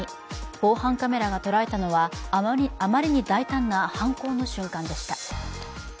防犯カメラが捉えたのは、あまりに大胆な犯行の瞬間でした。